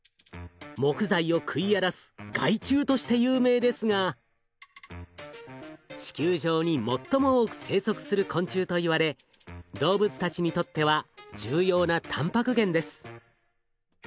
木材を食い荒らす害虫として有名ですが地球上に最も多く生息する昆虫といわれ動物たちにとっては重要なたんぱく源です。